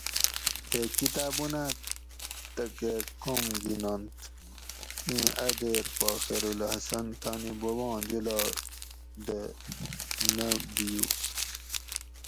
تے کتابونہ تکہ کوم گِھینونت؟ ایں ا دیر پا خیرالحسن تانی بوباں جولاگ دہ نہ بیو